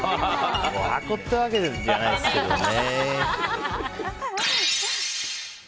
おはこってわけじゃないですけどね。